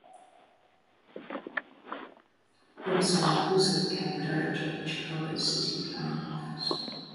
Hilberseimer also became director of Chicago's city planning office.